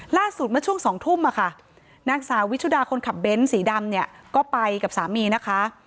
ล่าสุดเมื่อช่วง๒ทุ่มนางสาววิชุดาคนขับเบ้นสีดำเนี่ยก็ไปกับสามีนะคะ